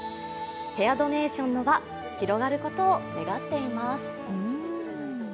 ヘアドネーションの輪、広がることを願っています。